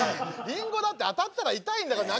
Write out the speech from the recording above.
リンゴだって当たったら痛いんだからな。